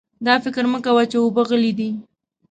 دا فکر مه کوه چې اوبه غلې دي.